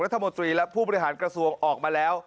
รัฐมนตรีและผู้บริหารกระทรวงออกมาแล้ว